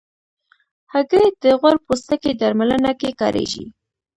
هګۍ د غوړ پوستکي درملنه کې کارېږي.